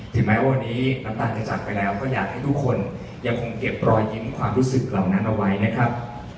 ถึงแม้ว่าวันนี้น้ำตาลจะจากไปแล้วก็อยากให้ทุกคนยังคงเก็บรอยยิ้มความรู้สึกเหล่านั้นเอาไว้นะครับ